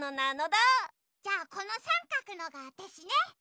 じゃあこのさんかくのがわたしね。